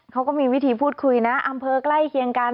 เขาก็มีวิธีพูดคุยนะอำเภอใกล้เคียงกัน